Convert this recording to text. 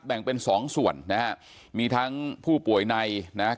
แบ่งเป็นสองส่วนนะฮะมีทั้งผู้ป่วยในนะฮะ